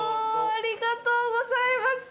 ありがとうございます！